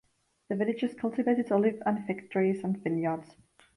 The villagers cultivated olive and fig trees and vineyards.